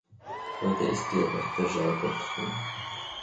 Heute ist die rechte Seite dran.